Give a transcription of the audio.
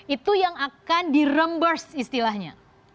itu yang akan di rembursed istilahnya